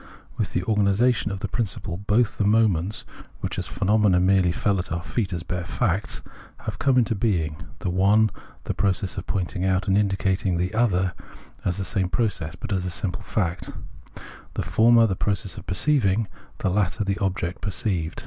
With the origina tion of the principle, both the moments, which as phenomena merely fell at our feet as bare facts, have come into being : the one, the process of pointing out and indicating, the other the same process, but as a simple fact — the former the process of perceiving, the latter the object perceived.